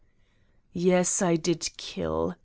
"Yes, I did kill.